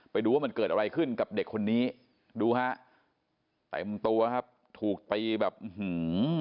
ไปดูว่ามันเกิดอะไรขึ้นกับเด็กคนนี้ดูฮะเต็มตัวครับถูกตีแบบอื้อหือ